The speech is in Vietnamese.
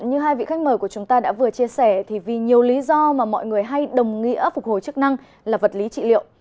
như hai vị khách mời của chúng ta đã vừa chia sẻ thì vì nhiều lý do mà mọi người hay đồng nghĩa phục hồi chức năng là vật lý trị liệu